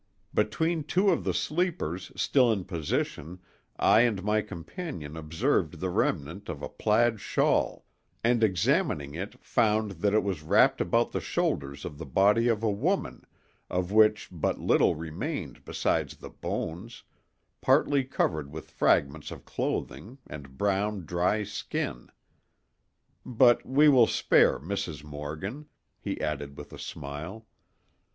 Between two of the sleepers still in position I and my companion observed the remnant of a plaid shawl, and examining it found that it was wrapped about the shoulders of the body of a woman, of which but little remained besides the bones, partly covered with fragments of clothing, and brown dry skin. But we will spare Mrs. Morgan," he added with a smile.